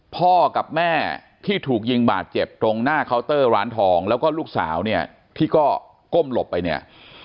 พ่อกับแม่ที่ถูกยิงบาดเจ็บตรงหน้าเคาน์เตอร์ร้านทองแล้วก็ลูกสาวเนี่ยที่ก็ก้มหลบไปเนี่ย